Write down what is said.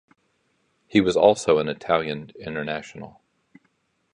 He was also an Italian international.